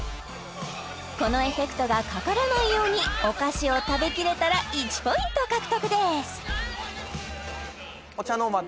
このエフェクトがかからないようにお菓子を食べきれたら１ポイント獲得です